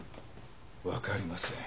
わかりません。